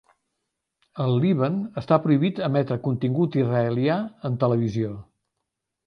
Al Líban, està prohibit emetre contingut israelià en televisió.